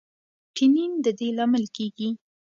ټینین د دې لامل کېږي.